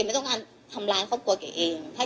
เก๋ไม่ใช่คนที่จะไปหยาบคายด่าใครในเฟซบุ๊กอะไรอย่างนี้